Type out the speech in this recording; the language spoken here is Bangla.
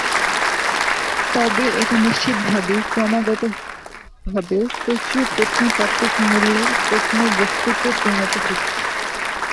তবে, এটা নিশ্চিতভাবেই ক্রমাগতভাবে প্রচুর প্রত্নতাত্ত্বিক মূল্যের প্রত্নবস্তুতে পরিণত হচ্ছে।